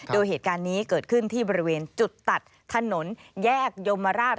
โดยเหตุการณ์นี้เกิดขึ้นที่บริเวณจุดตัดถนนแยกยมราช